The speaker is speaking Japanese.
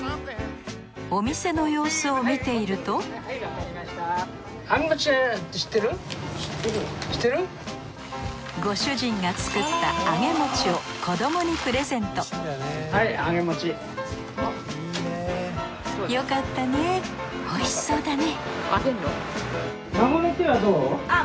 お店の様子を見ているとご主人が作った揚げ餅を子どもにプレゼントよかったねおいしそうだね